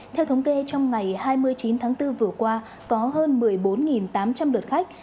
theo thống kê trong ngày hai mươi chín tháng bốn vừa qua có hơn một mươi bốn tám trăm linh lượt khách